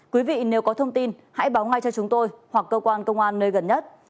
quý vị nếu có thông tin hãy báo ngay cho chúng tôi hoặc cơ quan công an nơi gần nhất